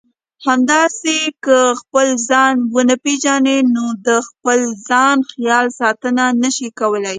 همداسې که خپل ځان ونه پېژنئ نو د خپل ځان خیال ساتنه نشئ کولای.